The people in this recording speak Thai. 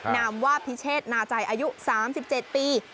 นามว่าพิเชษนาใจอายุ๓๗ปี